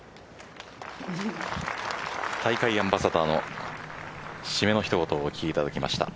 大会アンバサダーの締めの一言をお聞きいただきました。